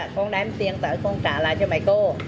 con đem tiền tới con trả lại cho mẹ cô